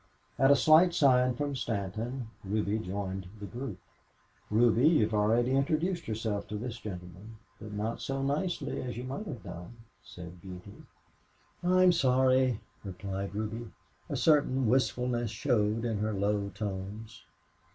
At a slight sign from Stanton, Ruby joined the group. "Ruby, you've already introduced yourself to this gentleman, but not so nicely as you might have done," said Beauty. "I'm sorry," replied Ruby. A certain wistfulness showed in her low tones.